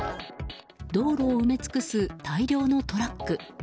道路を埋め尽くす大量のトラック。